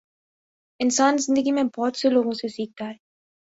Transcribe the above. انسان زندگی میں بہت سے لوگوں سے سیکھتا ہے۔